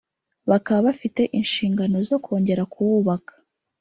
bakaba bafite inshingano zo kongera kuwubaka